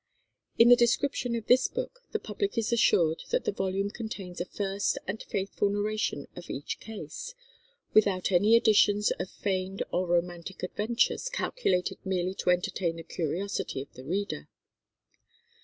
In the description of this book the public is assured that the volume contains a first and faithful narration of each case, "without any additions of feigned or romantic adventures, calculated merely to entertain the curiosity of the reader."